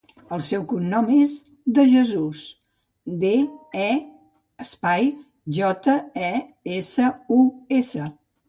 El seu cognom és De Jesus: de, e, espai, jota, e, essa, u, essa.